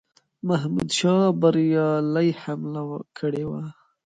محمودشاه بریالی حمله کړې وه.